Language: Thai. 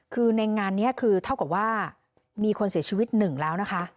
คือในงานนี้คือเท่ากับว่ามีคนเสียชีวิตหนึ่งแล้วนะคะ